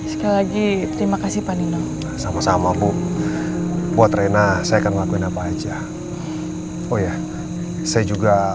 sekali lagi terima kasih panino sama sama bu buat rena saya akan lakukan apa aja oh ya saya juga